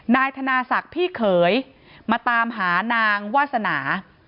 นายธนาศักดิ์พี่เขยมาตามหานางวาสนา